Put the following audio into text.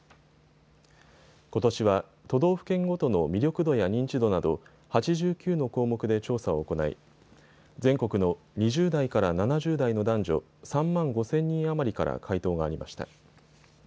ことしは都道府県ごとの魅力度や認知度など８９の項目で調査を行い全国の２０代から７０代の男女３万５０００人余りから回答がありました。